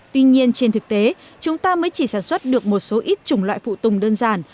tuy nhiên trên thực tế chúng ta mới chỉ sản xuất được một số ít chủng loại phụ tùng đơn giản